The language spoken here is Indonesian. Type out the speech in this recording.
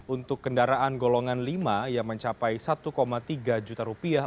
untuk kendaraan golongan lima yang mencapai satu tiga juta rupiah